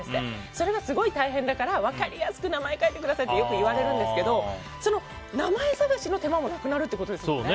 それがすごい大変だから分かりやすく名前を書いてくださいってよく言われるんですけど名前探しの手間もなくなるってことですね。